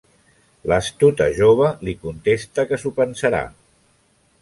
L'astuta jove li contesta que s'ho pensarà.